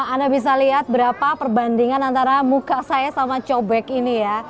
anda bisa lihat berapa perbandingan antara muka saya sama cobek ini ya